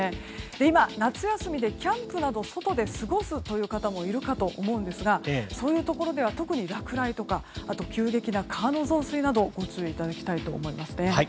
今、夏休みでキャンプなど外で過ごす方もいるかと思うんですがそういうところでは特に落雷とかあと急激な川の増水などご注意いただきたいと思いますね。